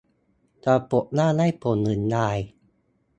ปรากฏว่าได้ผลหนึ่งราย